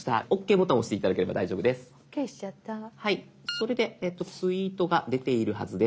それでツイートが出ているはずです。